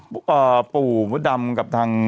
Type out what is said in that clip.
เพราะว่าปู่หมดดำกับทาง